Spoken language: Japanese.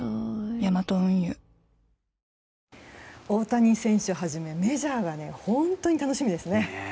大谷選手はじめメジャーが本当に楽しみですね。